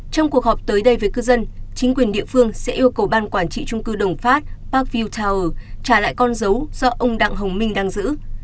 trong cuộc họp tới đây với cư dân chính quyền địa phương sẽ yêu cầu ban quản trị trung cư đồng phát parkvild tower trả lại con dấu do ông đặng hồng minh đang giữ